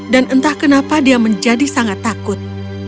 dan entah kenapa dia menjadi sangat takut